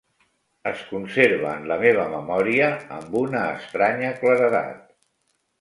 Es conserva en la meva memòria amb una estranya claredat.